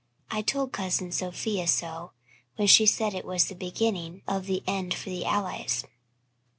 I told Cousin Sophia so when she said it was the beginning of the end for the Allies."